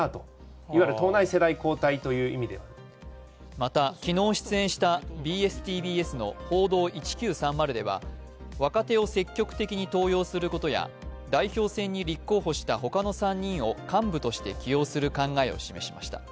また、昨日出演したＢＳ−ＴＢＳの「報道１９３０」では、若手を積極的に登用することや、代表選に立候補した他の３人を幹部として起用する考えを示しました。